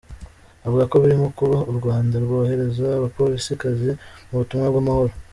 Avuga ko birimo kuba u Rwanda rwohereza Abapolisikazi mu butumwa bw’amahoro.